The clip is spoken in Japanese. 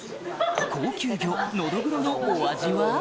高級魚ノドグロのお味は？